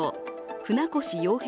船越洋平